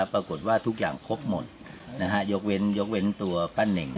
ปรากฏว่าทุกอย่างครบหมดยกเว้นตัวปั้นเน่ง